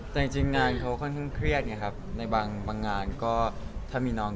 แต่จริงงานเค้าค่อนขึ้นเครียดในบางงานถ้ามีน้อง